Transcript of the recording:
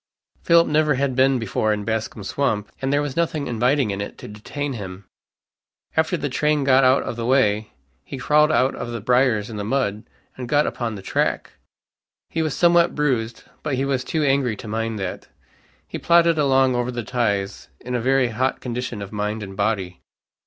Philip never had been before in Bascom's swamp, and there was nothing inviting in it to detain him. After the train got out of the way he crawled out of the briars and the mud, and got upon the track. He was somewhat bruised, but he was too angry to mind that. He plodded along over the ties in a very hot condition of mind and body.